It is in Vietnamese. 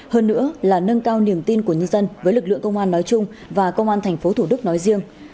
hơn nữa là nâng cao niềm tin của nhân dân với lực lượng công an nói chung và công an tp hcm nói riêng